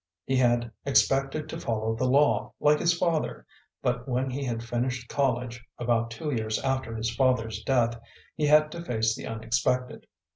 He had expected to follow the law, like his father, but when he had finished college, about two years after his father's death, he had to face the unexpected.